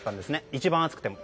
一番暑くても。